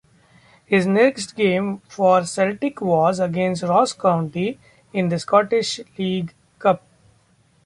His next game for Celtic was against Ross County in the Scottish League Cup.